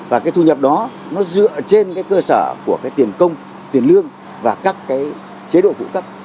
điều đó dựa trên cơ sở của tiền công tiền lương và các chế độ phụ cấp